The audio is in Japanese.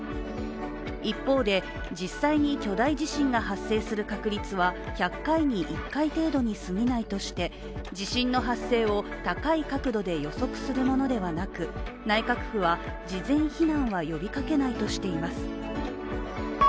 一方で、実際に巨大地震が発生する確率は１００回に１回程度にすぎないとして地震の発生を高い確度で予測するものではなく内閣府は、事前避難は呼びかけないとしています。